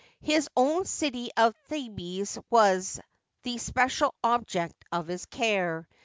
His own city of Thebes was the special object of his care.